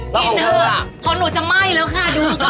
ไปย่างไก่จ้ะ